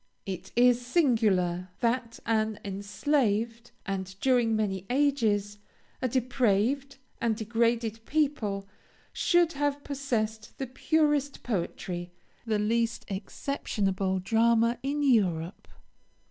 It is singular that an enslaved, and, during many ages, a depraved and degraded people, should have possessed the purest poetry, the least exceptionable drama, in Europe.